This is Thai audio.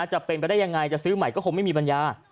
จะเป็นไปได้ยังไงจะซื้อใหม่ก็คงไม่มีปัญญา